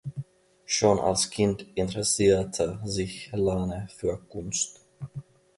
Schon als Kind interessierte sich Lane für Kunst.